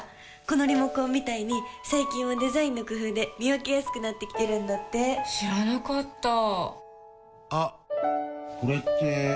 このリモコンみたいに最近はデザインの工夫で見分けやすくなってきてるんだって知らなかったあっ、これって・・・